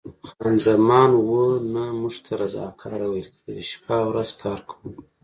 خان زمان: اوه، نه، موږ ته رضاکاره ویل کېږي، شپه او ورځ کار کوو.